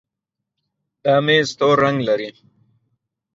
دا ميز تور رنګ لري.